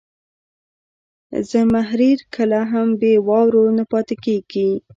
زمهریر کله هم بې واورو نه پاتې کېږي.